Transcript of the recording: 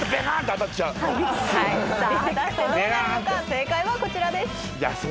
正解はこちらです。